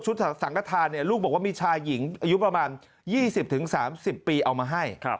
สังกฐานลูกบอกว่ามีชายหญิงอายุประมาณ๒๐๓๐ปีเอามาให้